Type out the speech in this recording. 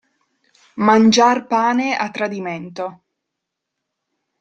Mangiar pane a tradimento.